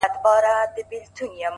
هره شېبه د انتخاب ځواک لري؛